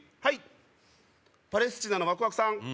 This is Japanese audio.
はいパレスチナのわくわくさん